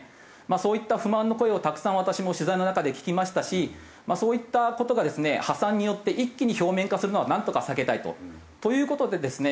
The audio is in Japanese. そういった不満の声をたくさん私も取材の中で聞きましたしそういった事がですね破産によって一気に表面化するのはなんとか避けたいと。という事でですね